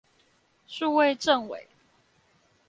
數位政委